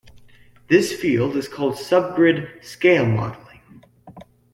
This field is called subgrid-scale modeling.